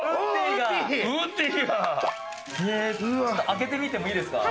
開けてみてもいいですか？